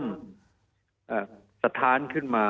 มีความรู้สึกว่ามีความรู้สึกว่า